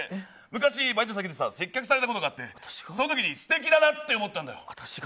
昔、バイト先で接客されたことがあってその時に素敵だなって思ったんだよ。